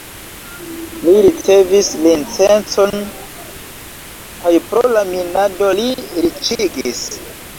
Li ricevis licencon kaj pro la minado li riĉiĝis.